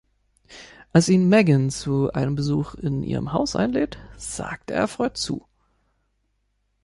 Als ihn Megan zu einem Besuch in ihrem Haus einlädt, sagt er erfreut zu.